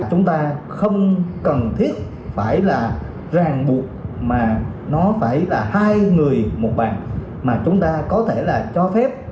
chúng ta không cần thiết phải là ràng buộc mà nó phải là hai người một bàn mà chúng ta có thể là cho phép